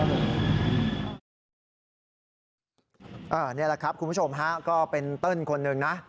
นี่แหละครับคุณผู้ชมฮะก็เป็นเติ้ลคนหนึ่งนะ